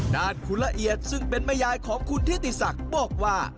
ด้านคุณละเอียดซึ่งเป็นแม่ยายของคุณทิติศักดิ์บอกว่า